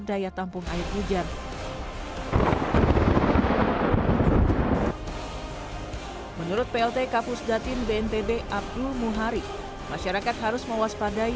daya tampung air hujan menurut plt kapus datin bnpb abdul muhari masyarakat harus mewaspadai